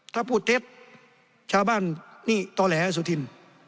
ถ้าพูดเท็จชาวบ้านนี่ต่อแหลสุธิน